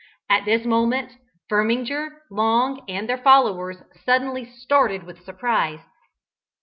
At this moment Firminger, Long, and their followers suddenly started with surprise.